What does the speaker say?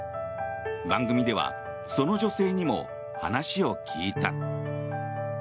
番組ではその女性にも話を聞いた。